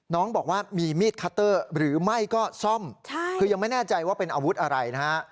น้องบอกว่ามีมีดคัตเตอร์หรือไม่ก็ซ่อมคือยังไม่แน่ใจว่าเป็นอาวุธอะไรนะฮะ